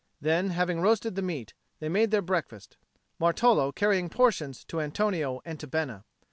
Then, having roasted the meat, they made their breakfast, Martolo carrying portions to Antonio and to Bena.